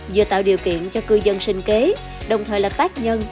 vừa tạo điều kiện cho cư dân sinh kế đồng thời là tác nhân